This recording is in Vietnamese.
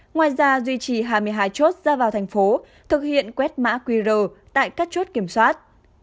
ngoài ra duy trì hai mươi hai chốt ra vào thành phố thực hiện quét mã qr tại các chốt kiểm soát